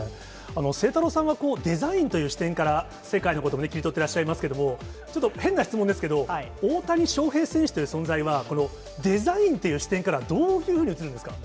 晴太郎さんがデザインという視点から、世界のことを切り取っていらっしゃいますけども、ちょっと変な質問ですけど、大谷翔平選手という存在は、このデザインという視点からはどういうふうに映るんですか？